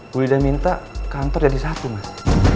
bu lidah minta kantor jadi satu mas